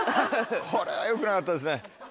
これはよくなかったですね。